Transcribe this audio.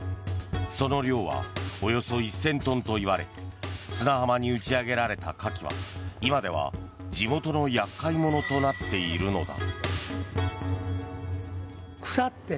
その量はおよそ１０００トンといわれ砂浜に打ち揚げられたカキは今では地元の厄介者となっているのだ。